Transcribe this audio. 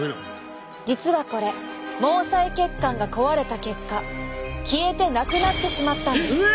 実はこれ毛細血管が壊れた結果消えてなくなってしまったんです！